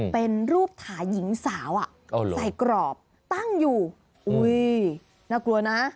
เป็นรูปถาหญิงสาวใส่กรอบตั้งอยู่น่ากลัวนะ